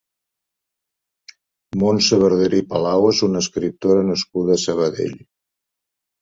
Montse Barderi Palau és una escriptora nascuda a Sabadell.